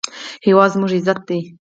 هېواد زموږ عزت دی